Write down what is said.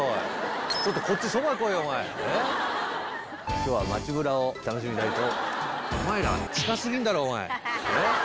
今日は街ぶらを楽しみたいと。